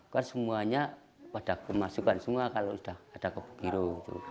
kan semuanya pada kemasukan semua kalau sudah ada kebogiro